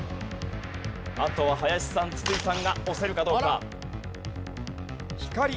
あとは林さん筒井さんが押せるかどうか？